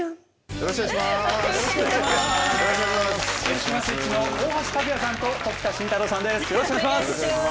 よろしくお願いします。